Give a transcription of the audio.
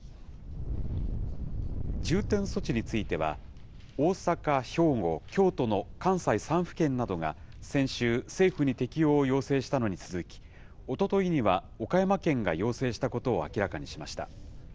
重点措置については、大阪、兵庫、京都の関西３府県などが先週、政府に適用を要請したのに続き、おとといには岡山県が要請したことを明らかにしました。